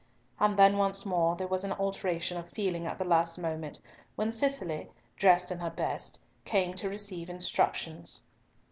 —and then once more there was an alternation of feeling at the last moment, when Cicely, dressed in her best, came to receive instructions.